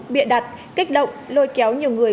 bịa đặt kích động lôi kéo nhiều người